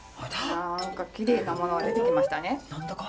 何かきれいなものが出てきましたね。